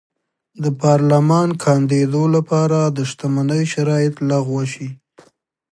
د پارلمان کاندېدو لپاره د شتمنۍ شرایط لغوه شي.